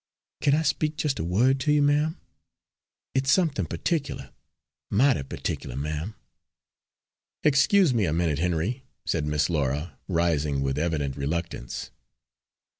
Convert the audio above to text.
"Kin I speak just a word to you, ma'am? It's somethin' partic'lar mighty partic'lar, ma'am." "Excuse me a minute, Henry," said Miss Laura, rising with evident reluctance.